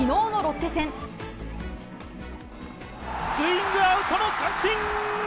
スイングアウトの三振。